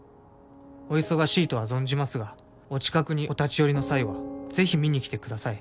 「お忙しいとは存じますがお近くにお立ち寄りの際はぜひ見に来て下さい」